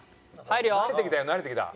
慣れてきたよ慣れてきた。